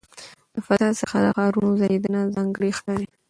د فضا څخه د ښارونو ځلېدنه ځانګړې ښکاري.